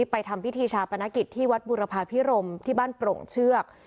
ทำพิธีชาปนกิจที่วัดบุรพาพิรมที่บ้านโปร่งเชือก